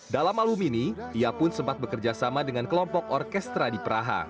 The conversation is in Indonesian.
dalam album ini ia pun sempat bekerja sama dengan kelompok orkestra di praha